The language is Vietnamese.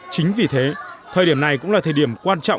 chính vì thế thời điểm này cũng là thời điểm quan trọng